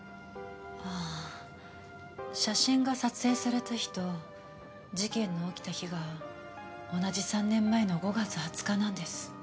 ああ写真が撮影された日と事件の起きた日が同じ３年前の５月２０日なんです。